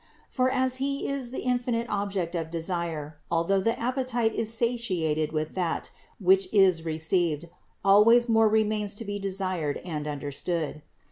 For as He is the infinite Object of desire, although the appetite is satiated with that which is received, always more remains to be desired and understood.